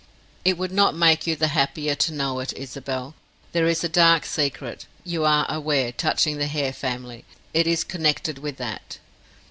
"It would not make you the happier to know it, Isabel. There is a dark secret, you are aware, touching the Hare family. It is connected with that."